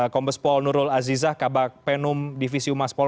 kombes pol nurul azizah kabak penum divisi umar spolri